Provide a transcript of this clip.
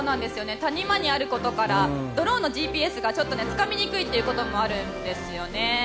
谷間にあることからドローンのＧＰＳがつかみにくいということもあるんですよね。